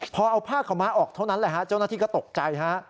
พอเอาผ้าขาวม้าออกเท่านั้นแหละฮะเจ้าหน้าที่ก็ตกใจฮะ